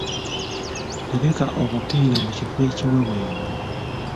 Tereka obupiira mu kifo ekiweweevu.